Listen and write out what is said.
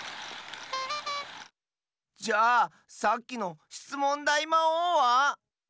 じゃさっきのしつもんだいまおうは？